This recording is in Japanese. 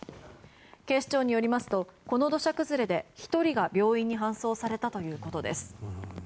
警視庁によりますとこの土砂崩れで１人が病院に搬送されたということです。